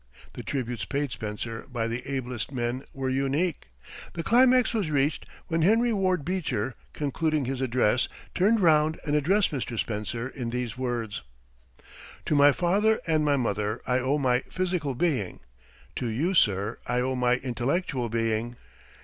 The tributes paid Spencer by the ablest men were unique. The climax was reached when Henry Ward Beecher, concluding his address, turned round and addressed Mr. Spencer in these words: "To my father and my mother I owe my physical being; to you, sir, I owe my intellectual being.